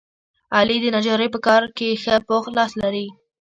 علي د نجارۍ په کار کې ښه پوخ لاس لري.